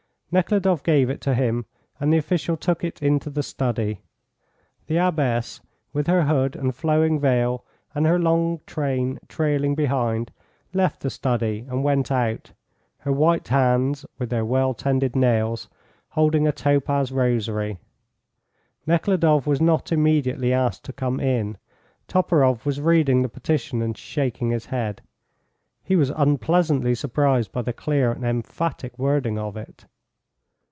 Nekhludoff gave it him, and the official took it into the study. The abbess, with her hood and flowing veil and her long train trailing behind, left the study and went out, her white hands (with their well tended nails) holding a topaz rosary. Nekhludoff was not immediately asked to come in. Toporoff was reading the petition and shaking his head. He was unpleasantly surprised by the clear and emphatic wording of it.